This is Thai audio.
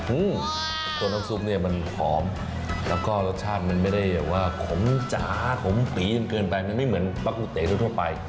อืมตัวน้ำซุปเนี่ยมันหอมแล้วก็รสชาติมันไม่ได้แบบว่าขมจ๋าขมปีจนเกินไปมันไม่เหมือนปลากุเต๋ทั่วไป